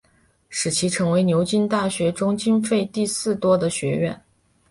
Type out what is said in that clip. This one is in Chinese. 使其成为牛津大学中经费第四多的学院。